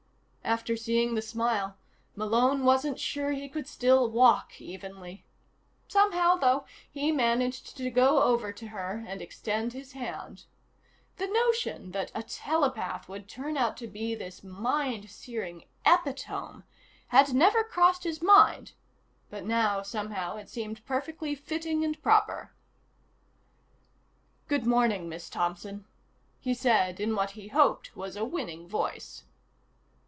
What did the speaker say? After seeing the smile, Malone wasn't sure he could still walk evenly. Somehow, though, he managed to go over to her and extend his hand. The notion that a telepath would turn out to be this mind searing Epitome had never crossed his mind, but now, somehow, it seemed perfectly fitting and proper. "Good morning, Miss Thompson," he said in what he hoped was a winning voice.